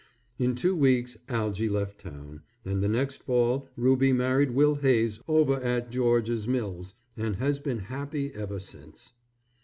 In two weeks Algy left town, and the next fall Ruby married Will Hayes over at George's Mills, and has been happy ever since.